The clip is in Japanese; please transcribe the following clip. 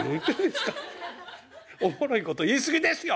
おもろいこと言い過ぎですよ！